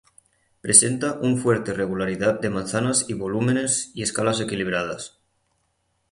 Presenta un fuerte regularidad de manzanas y volúmenes y escalas equilibradas.